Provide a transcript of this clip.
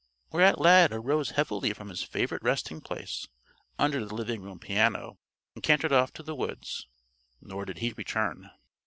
Whereat Lad arose heavily from his favorite resting place under the living room piano and cantered off to the woods. Nor did he return.